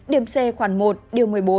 điểm c khoảng một điều một mươi bốn